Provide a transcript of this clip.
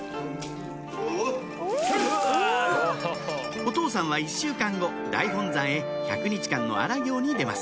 お父さんは１週間後大本山へ１００日間の荒行に出ます